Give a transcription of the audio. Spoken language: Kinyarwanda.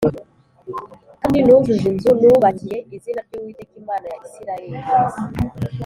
Kandi nujuje inzu nubakiye izina ry’Uwiteka Imana ya Isirayeli